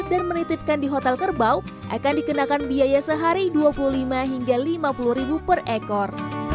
dan menitipkan di hotel kerbau akan dikenakan biaya sehari dua puluh lima hingga lima puluh per ekor